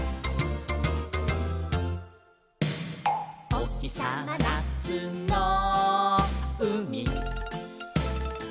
「おひさまなつのうみ」